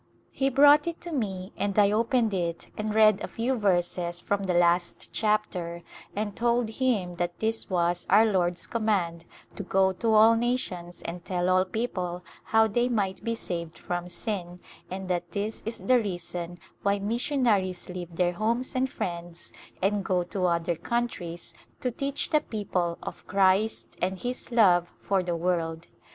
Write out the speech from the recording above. He brought it to me and I opened it and read a few v^erses from the last chapter and told him that this was our Lord's com mand to go to all nations and tell all people how they might be saved from sin, and that this is the reason why missionaries leave their homes and friends and go to other countries to teach the people of Christ and His love for the world.